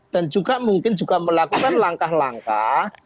dan juga mungkin juga melakukan langkah langkah